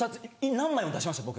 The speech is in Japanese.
何枚も出しました僕。